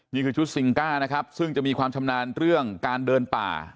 นี่คือชุดซิงก้านะครับซึ่งจะมีความชำนาญเรื่องการเดินป่า